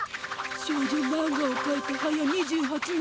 少女マンガをかいてはや２８年。